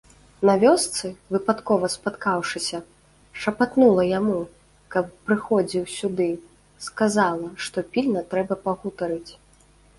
На вёсцы, выпадкова спаткаўшыся, шапатнула яму, каб прыходзіў сюды, сказала, што пільна трэба пагутарыць.